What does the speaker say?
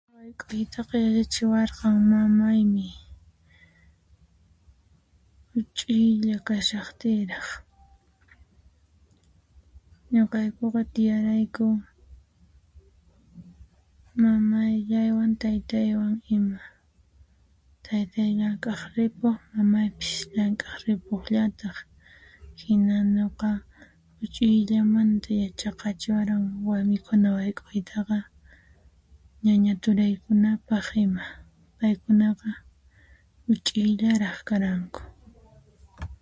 Huayk'uytaqa yachachiwarqan mamaymi ,Huch'uylla kashaqtiyraq, nuqaykuqa tiyarayku mamallaywan taytaywan ima, taytay llank'aq ripuq, mamaypis llank'aq ripuq yachaq, hina nuqata huch'uyllamanta yachaqachiwaran warmikuna wayk'uyta, ñaña turaykunapaq ima. Paykunaqa huch'uyllaraq karanku.